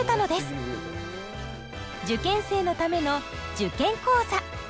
受験生のための受験講座。